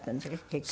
結局。